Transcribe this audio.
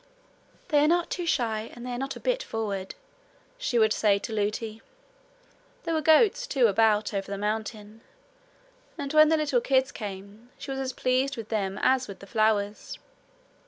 'They're not too shy, and they're not a bit forward,' she would say to Lootie. There were goats too about, over the mountain, and when the little kids came she was as pleased with them as with the flowers.